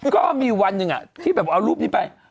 ก็มีวันหนึ่งที่แบบเอารูปนี้ไป